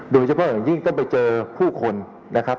โดยเฉพาะอย่างยิ่งต้องไปเจอผู้คนนะครับ